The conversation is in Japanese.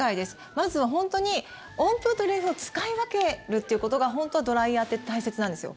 まずは本当に温風と冷風を使い分けるということが本当、ドライヤーって大切なんですよ。